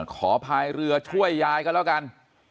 พายเรือช่วยยายก็แล้วกัน